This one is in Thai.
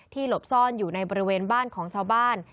หลบซ่อนอยู่ในบริเวณบ้านของชาวบ้าน